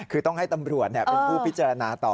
คือต้องให้ตำรวจแนะไงพูดพิจารณาต่อ